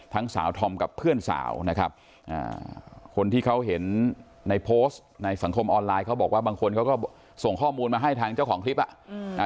สาวธอมกับเพื่อนสาวนะครับอ่าคนที่เขาเห็นในโพสต์ในสังคมออนไลน์เขาบอกว่าบางคนเขาก็ส่งข้อมูลมาให้ทางเจ้าของคลิปอ่ะอืมอ่า